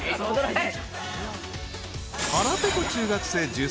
はい。